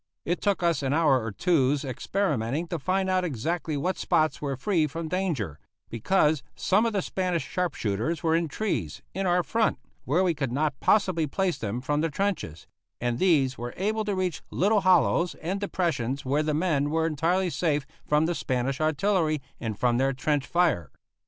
It took us an hour or two's experimenting to find out exactly what spots were free from danger, because some of the Spanish sharp shooters were in trees in our front, where we could not possibly place them from the trenches; and these were able to reach little hollows and depressions where the men were entirely safe from the Spanish artillery and from their trench fire.